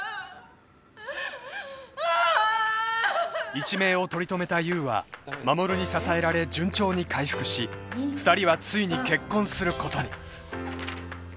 ［一命を取り留めた優は衛に支えられ順調に回復し２人はついに結婚することに］